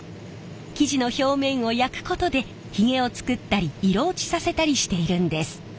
生地の表面を焼くことでヒゲを作ったり色落ちさせたりしているんです。